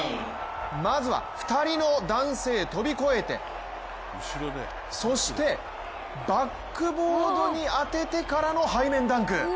まずは、２人の男性を跳び越えてそして、バックボードに当ててからの背面ダンク。